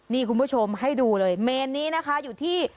นี่คุณผู้ชมให้ดูเลยเมนนี้นะคะอยู่ที่